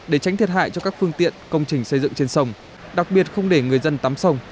để tránh thiệt hại cho các phương tiện công trình xây dựng trên sông đặc biệt không để người dân tắm sông